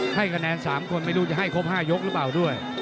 ให้คะแนน๓คนไม่รู้จะให้ครบ๕ยกหรือเปล่าด้วย